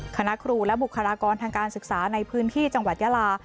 คณะครูและบุคลากรทางการศึกษาในพื้นที่จังหวัดยาลา